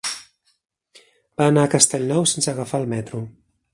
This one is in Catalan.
Va anar a Castellnou sense agafar el metro.